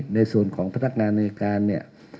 ในส่วนของพนักงานเหนือกาน